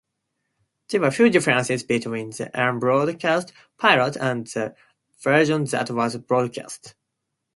There were few differences between the unbroadcast pilot and the version that was broadcast.